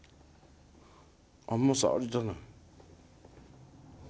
あんま触りたない。